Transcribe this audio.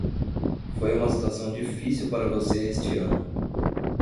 Foi uma situação difícil para você este ano.